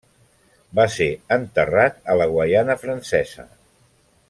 Va ser enterrat a la Guaiana Francesa.